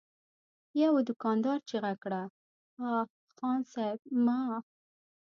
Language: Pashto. يوه دوکاندار چيغه کړه: اه! خان صيب! مه!